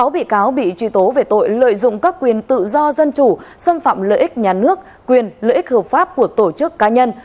sáu bị cáo bị truy tố về tội lợi dụng các quyền tự do dân chủ xâm phạm lợi ích nhà nước quyền lợi ích hợp pháp của tổ chức cá nhân